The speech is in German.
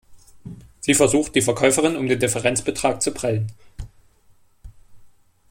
Sie versucht, die Verkäuferin um den Differenzbetrag zu prellen.